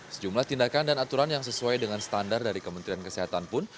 sejumlah tindakan dan aturan yang sesuai dengan standar dari kementerian kesehatan pun